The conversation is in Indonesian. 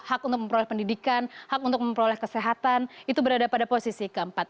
hak untuk memperoleh pendidikan hak untuk memperoleh kesehatan itu berada pada posisi keempat